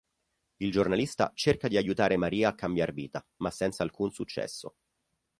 Il giornalista cerca di aiutare Maria a cambiar vita, ma senza alcun successo.